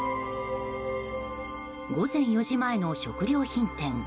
午前４時前の食料品店。